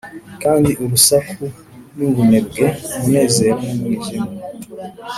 kandi urusaku n'ubunebwe, umunezero n'umwijima.